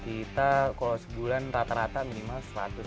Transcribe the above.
kita kalau sebulan rata rata minimal satu ratus lima puluh